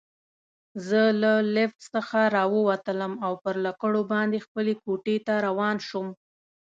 زه له لفټ څخه راووتلم او پر لکړو باندې خپلې کوټې ته روان شوم.